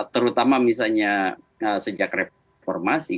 terutama misalnya sejak reformasi